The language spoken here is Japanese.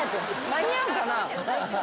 間に合うかな？